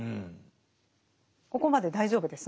ここまで大丈夫ですね。